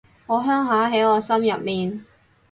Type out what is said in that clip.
我鄉下喺我心入面